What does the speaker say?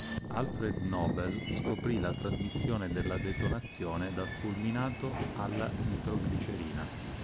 Alfred Nobel scoprì la trasmissione della detonazione dal fulminato alla nitroglicerina.